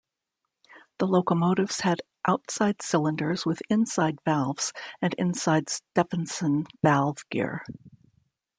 The locomotives had outside cylinders with inside valves and inside Stephenson valve gear.